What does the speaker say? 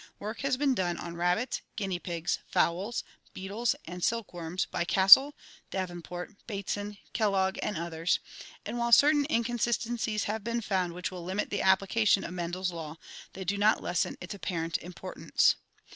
Work has been done on rabbits, guinea pigs, fowls, beetles, and silk worms by Castle, Davenport, Bateson, Kellogg, and others, and, while certain in 160 ORGANIC EVOLUTION consistencies have been found which will limit the application of MendeFs law, they do not lessen its apparent importance.